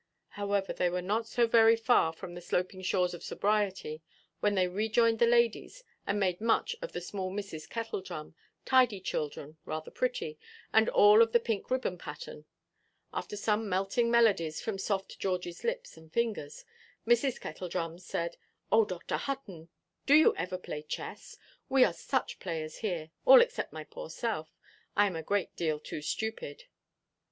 However, they were not so very far from the sloping shores of sobriety when they rejoined the ladies, and made much of the small Misses Kettledrum, tidy children, rather pretty, and all of the pink ribbon pattern. After some melting melodies from soft Georgieʼs lips and fingers, Mrs. Kettledrum said, "Oh, Dr. Hutton, do you ever play chess? We are such players here; all except my poor self; I am a great deal too stupid."